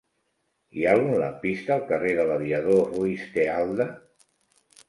Hi ha algun lampista al carrer de l'Aviador Ruiz de Alda?